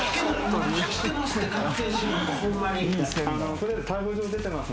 取りあえず逮捕状出てますんで。